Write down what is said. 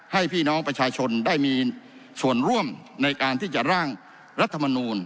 พี่น้องประชาชนได้มีส่วนร่วมในการที่จะร่างรัฐมนูล